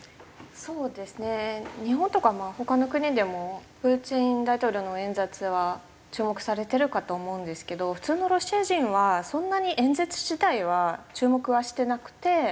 そうですね日本とかまあ他の国でもプーチン大統領の演説は注目されてるかと思うんですけど普通のロシア人はそんなに演説自体は注目はしてなくて。